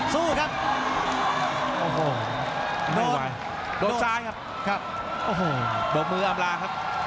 สู้ครับโอ้โหโดนโดนซ้ายครับโอ้โหโดนมืออำราครับ